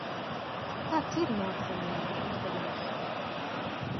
Kāds ir mākslinieka uzdevums?